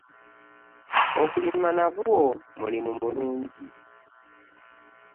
Okulima nagwo mulimu mulungi.